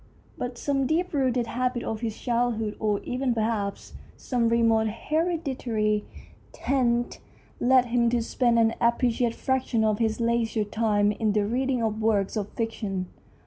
But some deep rooted habit of his childhood, or even perhaps some remote hereditary taint, led him to spend an appreciable fraction of his leisure time in the reading of works of fiction.